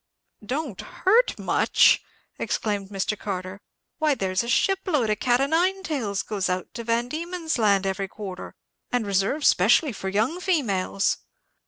"Don't hurt much!" exclaimed Mr. Carter; "why, there's a ship load of cat o' nine tails goes out to Van Diemen's Land every quarter, and reserved specially for young females!"